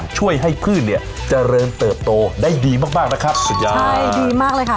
ใช่ครับผล